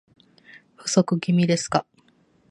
不足気味ですか